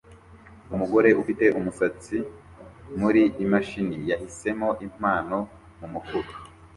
Umugore ufite umusatsi muri imashini yahisemo impano mumufuka